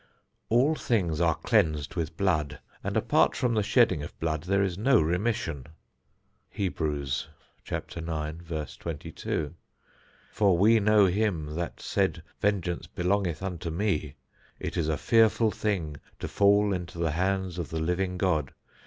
All things are cleansed with blood, and apart from the shedding of blood there is no remission. Hebrews 9;22. For we know him that said, Vengeance belongeth unto me. ... It is a fearful thing to fall into the hands of the living God.